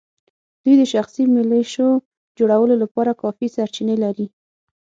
دوی د شخصي ملېشو جوړولو لپاره کافي سرچینې لري.